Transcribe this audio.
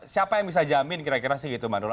siapa yang bisa jamin kira kira sih gitu mbak nurul